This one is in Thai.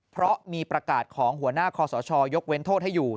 เพราะมีประกาศของหัวหน้าคอสชยกเว้นโทษให้อยู่